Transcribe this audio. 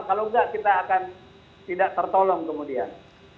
kalau enggak kita akan tidak tertolong kemudian